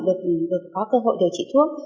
và bệnh nhân nghèo được có cơ hội điều trị thuốc